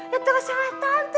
ya terserah tante